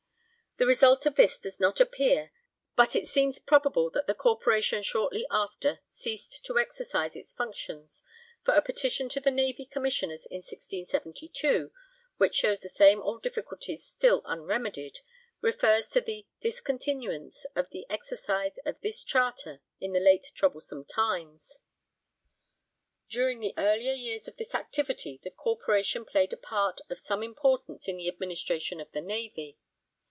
The result of this does not appear, but it seems probable that the Corporation shortly after ceased to exercise its functions, for a petition to the Navy Commissioners in 1672 (which shows the same old difficulties still unremedied) refers to 'the discontinuance of the exercise of this Charter in the late troublesome times.' During the earlier years of its activity the Corporation played a part of some importance in the administration of the Navy.